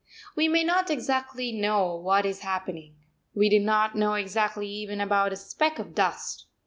We may not know exactly what is happening: we do not know exactly even about a speck of dust.